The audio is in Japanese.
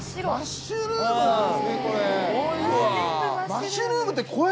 マッシュルームって。